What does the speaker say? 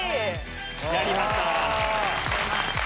やりました！